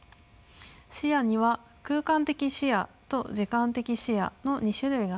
視野には空間的視野と時間的視野の２種類があります。